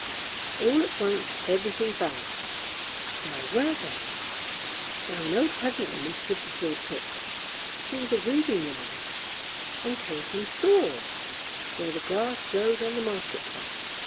All at once every thing vanished — where were they ? Now an old peasant woman stood before Tuk; she was a weeding woman, and came from Soro, where the grass grows on the market place.